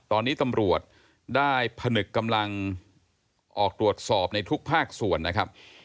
ตอนนี้ตำรวจได้ผนึกกำลังออกตรวจสอบในทุกภาคส่วนนะครับ